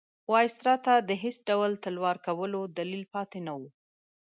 وایسرا ته د هېڅ ډول تلوار کولو دلیل پاتې نه وو.